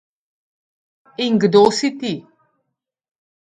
In kdo si ti?